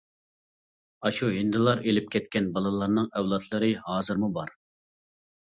ئاشۇ ھىندىلار ئېلىپ كەتكەن بالىلارنىڭ ئەۋلادلىرى ھازىرمۇ بار.